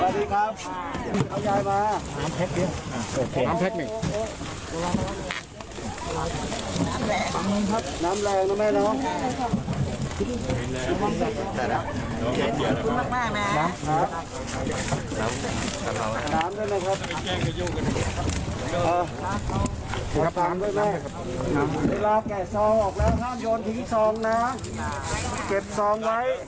น้ำแพ็คเม้ง